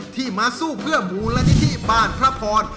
ที่มาสู้เพื่อมูลนิธิบ้านพระพร